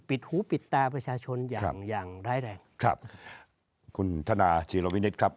ปิดหูปิดตาประชาชนอย่างแรงครับคุณธนาชีโรวินิสครับ